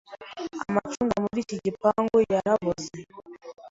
Amacunga muri iki gikapu yaraboze.